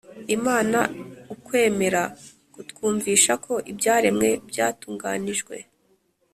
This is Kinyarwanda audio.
imana, ukwemera kutwumvisha ko ibyaremwe byatunganijwe